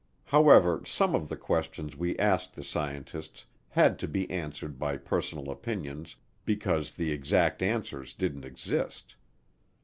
However, some of the questions we asked the scientists had to be answered by personal opinions because the exact answers didn't exist.